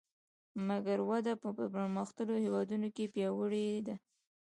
مګر وده په پرمختلونکو هېوادونو کې پیاوړې ده